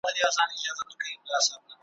د خوني زمري له خولې وو تښتېدلی ,